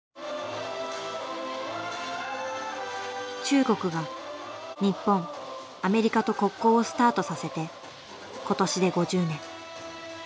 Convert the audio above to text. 中国が日本アメリカと国交をスタートさせて今年で５０年。